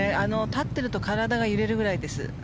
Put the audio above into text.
立っていると体が揺れるぐらいです。